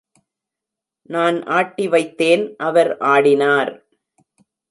நான் ஆட்டிவைத்தேன், அவர் ஆடினார்.